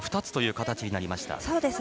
２つという形になりました。